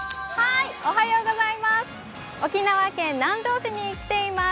沖縄県南城市に来ています。